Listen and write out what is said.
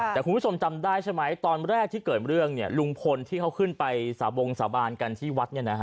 แต่คุณผู้ชมจำได้ใช่ไหมตอนแรกที่เกิดเรื่องลุงพลที่เขาขึ้นไปสาบงสาบานกันที่วัด